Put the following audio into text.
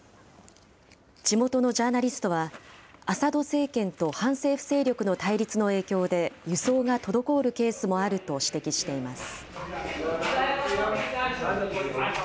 地元のジャーナリストは、アサド政権と反政府勢力の対立の影響で、輸送が滞るケースもあると指摘しています。